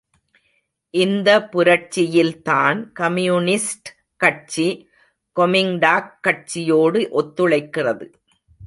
இந்த புரட்சியில்தான் கம்யூனிஸ்ட் கட்சி கொமிங்டாக் கட்சியோடு ஒத்துழைக்கிறது.